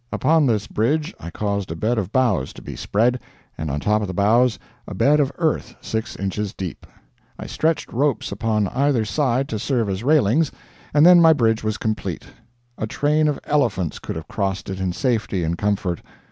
Upon this bridge I caused a bed of boughs to be spread, and on top of the boughs a bed of earth six inches deep. I stretched ropes upon either side to serve as railings, and then my bridge was complete. A train of elephants could have crossed it in safety and comfort.